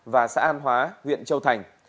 và xã an hóa huyện châu thành